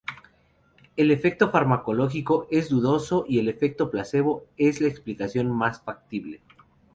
El efecto farmacológico es dudoso y el efecto placebo es la explicación más factible.